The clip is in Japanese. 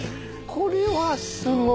これはすごい。